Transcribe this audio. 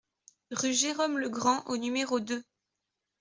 Rue Jérome Legrand au numéro deux